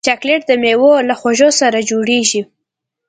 چاکلېټ د میوو له خوږو سره جوړېږي.